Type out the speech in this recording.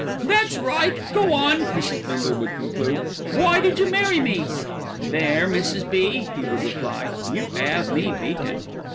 "That's right, go on," Mrs. Bindle would conclude. "Why did you marry me?" "There, Mrs. B.," he would reply, "you 'ave me beaten."